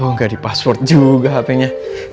toko ga di password juga hp nya